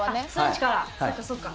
そっかそっか。